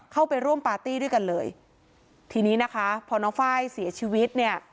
เข้าไปร่วมปาร์ตี้ด้วยกันเลยทีนี้นะคะพอน้องไฟล์เสียชีวิตเนี่ย